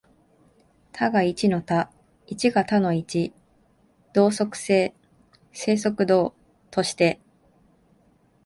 多が一の多、一が多の一、動即静、静即動として、